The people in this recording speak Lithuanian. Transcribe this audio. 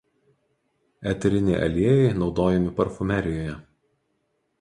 Eteriniai aliejai naudojami parfumerijoje.